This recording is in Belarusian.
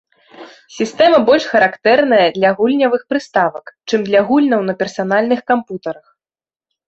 Сістэма больш характэрная для гульнявых прыставак, чым для гульняў на персанальных кампутарах.